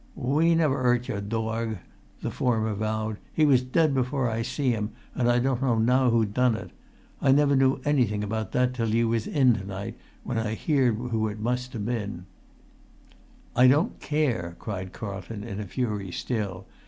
[Pg 207]"We never 'urt your dorg," the former vowed. "He was dead before I see him, and I don't know now who done ut. I never knew anything about that till after you was in to night, when I heared who it must ha' been." "I don't care!" cried Carlton, in a fury still.